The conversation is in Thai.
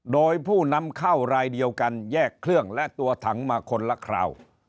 โดยผู้นำเข้ารายเดียวกันแยกเครื่องและตัวถังมาคนละคราว